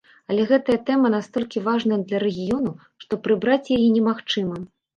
Але гэтая тэма настолькі важная для рэгіёну, што прыбраць яе немагчыма.